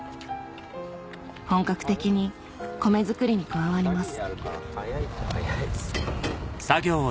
本格的に米作りに加わります